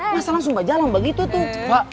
masalah langsung mbak jalan mbak gitu tuh